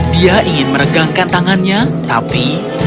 dia ingin meregangkan tangannya tapi